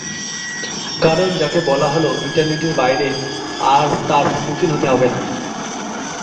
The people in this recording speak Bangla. কারণ যাকে বলা হল ইন্টারনেটের বাইরে আর তার সম্মুখীন হতে হবে না।